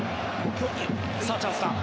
さあ、チャンスだ。